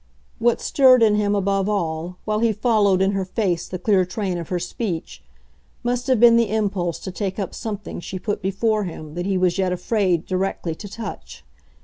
What stirred in him above all, while he followed in her face the clear train of her speech, must have been the impulse to take up something she put before him that he was yet afraid directly to touch.